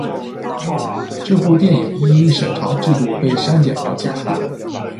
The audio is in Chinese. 这部电影因审查制度被删减了几处。